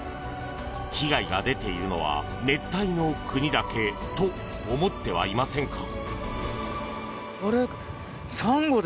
被害が出ているのは熱帯の国だけと思ってはいませんか？